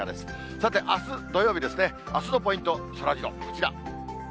さて、あす土曜日ですね、あすのポイント、そらジロー、こちら。